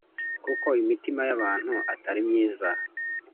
kuko imitima y abantu Atari myiza